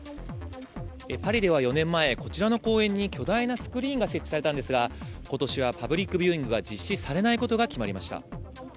パリでは４年前、こちらの公園に巨大なスクリーンが設置されたんですが、ことしはパブリックビューイングが実施されないことが決まりまし